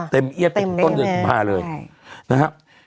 เต็มเอียดเป็นต้น๙๕เลยนะครับ